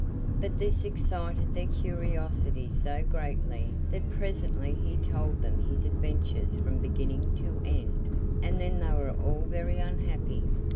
But this excited their curiosity so greatly that presently he told them his adventures from beginning to end, and then they were all very unhappy.